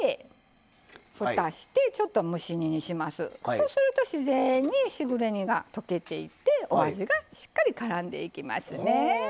そうすると自然にしぐれ煮が溶けていってお味がしっかりからんでいきますね。